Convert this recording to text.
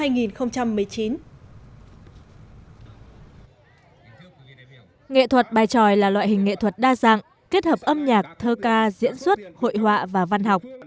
nghệ thuật bài tròi là loại hình nghệ thuật đa dạng kết hợp âm nhạc thơ ca diễn xuất hội họa và văn học